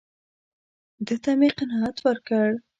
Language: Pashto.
ده ته مې قناعت ورکړ.